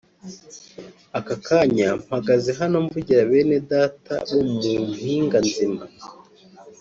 Aka kanya mpagaze hano mvugira bene data bo mu mpinga nzima